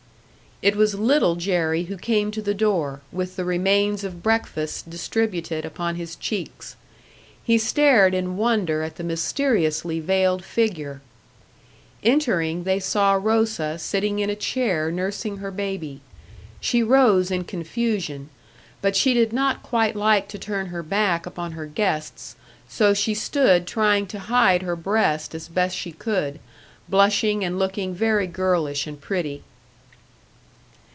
It was Little Jerry who came to the door, with the remains of breakfast distributed upon his cheeks; he stared in wonder at the mysteriously veiled figure. Entering, they saw Rosa sitting in a chair nursing her baby. She rose in confusion; but she did not quite like to turn her back upon her guests, so she stood trying to hide her breast as best she could, blushing and looking very girlish and pretty.